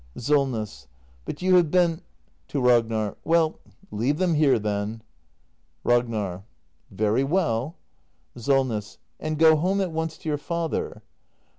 SOLNESS. But you have been [To Ragnar.] Well, leave them here, then. Ragnar. Very well. SOLNESS. And go home at once to your father.